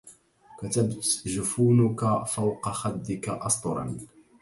كتبت جفونك فوق خدك أسطرا